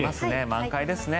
満開ですね。